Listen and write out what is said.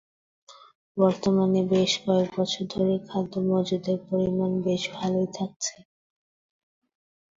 বর্তমানে বেশ কয়েক বছর ধরেই খাদ্য মজুতের পরিমাণ বেশ ভালোই থাকছে।